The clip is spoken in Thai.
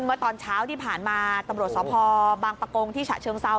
เมื่อตอนเช้าที่ผ่านมาตำรวจสพบางปะโกงที่ฉะเชิงเซา